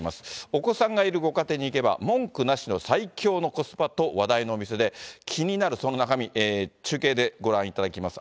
お子さんがいるご家庭にいけば、文句なしの最強のコスパと話題のお店で、気になるその中身、中継でご覧いただきます。